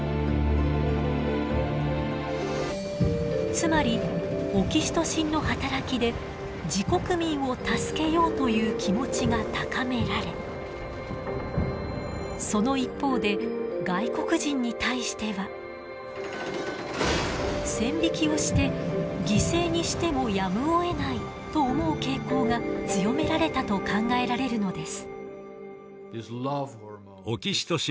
つまりオキシトシンの働きで自国民を助けようという気持ちが高められその一方で外国人に対しては線引きをして犠牲にしてもやむをえないと思う傾向が強められたと考えられるのです。